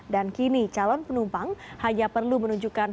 dan kini calon penumpang hanya perlu menunjukkan